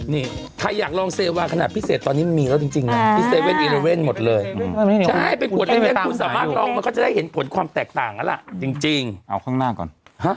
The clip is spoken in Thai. นี่ใครอยากลองเซวาขนาดพิเศษตอนนี้มันมีแล้วจริงนะที่๗๑๑หมดเลยใช่เป็นขวด๑๑คุณสามารถร้องมันก็จะได้เห็นผลความแตกต่างแล้วล่ะจริงเอาข้างหน้าก่อน